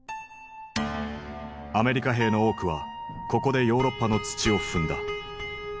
アメリカ兵の多くはここでヨーロッパの土を踏んだ。